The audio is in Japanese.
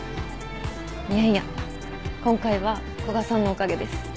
いやいや今回は古賀さんのおかげです。